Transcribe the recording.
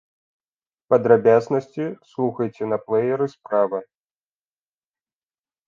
Падрабязнасці слухайце на плэйеры справа.